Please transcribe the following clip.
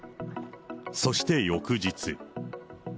そして翌日。